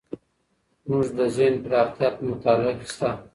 زموږ د ذهن پراختیا په مطالعه کې شته.